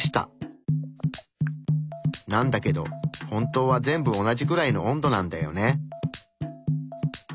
なんだけど本当は全部同じくらいの温度なんだよね。